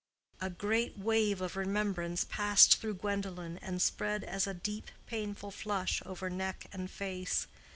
A great wave of remembrance passed through Gwendolen and spread as a deep, painful flush over neck and face.